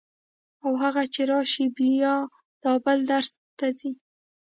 او هغه چې راشي بیا دا بل درس ته ځي.